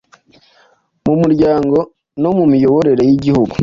mu muryango no mu miyoborere y’Igihugu.